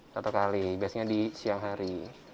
satu kali biasanya di siang hari